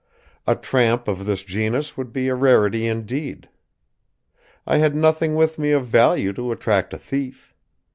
A tramp of this genus would be a rarity indeed. I had nothing with me of value to attract a thief.